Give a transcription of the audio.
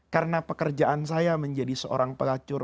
karena pekerjaan saya menjadi seorang pelacur